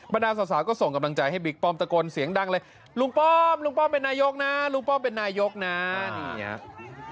ดาสาวก็ส่งกำลังใจให้บิ๊กป้อมตะโกนเสียงดังเลยลุงป้อมลุงป้อมเป็นนายกนะลุงป้อมเป็นนายกนะนี่ไง